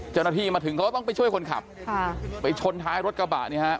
เจ้าหน้าที่มาถึงเขาก็ต้องไปช่วยคนขับค่ะไปชนท้ายรถกระบะเนี่ยฮะ